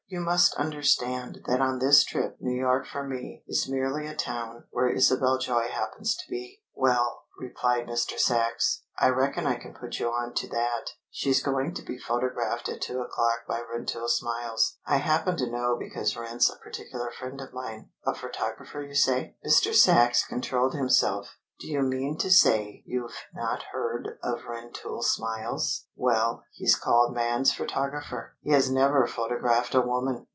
You must understand that on this trip New York for me is merely a town where Isabel Joy happens to be." "Well," replied Mr. Sachs. "I reckon I can put you on to that. She's going to be photographed at two o'clock by Rentoul Smiles. I happen to know because Rent's a particular friend of mine." "A photographer, you say?" Mr. Sachs controlled himself. "Do you mean to say you've not heard of Rentoul Smiles? ... Well, he's called 'Man's photographer.' He has never photographed a woman!